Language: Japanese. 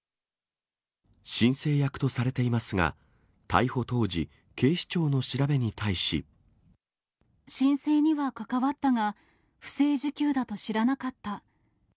申請役とされていますが、逮捕当時、申請には関わったが、不正受給だと知らなかった。